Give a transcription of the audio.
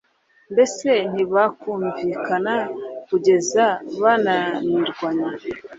mbese ntibakumvikane kugeza bananirwanywe,